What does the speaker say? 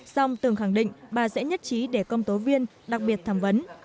song từng khẳng định bà sẽ nhất trí để công tố viên đặc biệt thẩm vấn